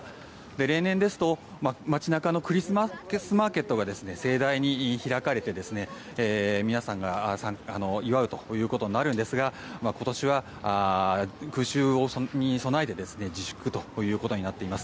例年ですと街中のクリスマスマーケットが盛大に開かれて、皆さんが祝うということになるんですが今年は空襲に備えて自粛ということになっています。